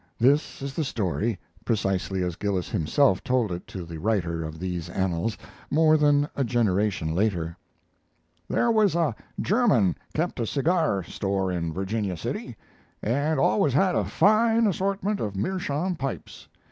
This is the story, precisely as Gillis himself told it to the writer of these annals more than a generation later: "There was a German kept a cigar store in Virginia City and always had a fine assortment of meerschaum pipes.